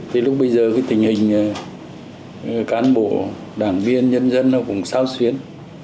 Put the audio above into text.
thì lúc bây giờ tình hình cán bộ đảng viên nhân dân cũng sao xuyến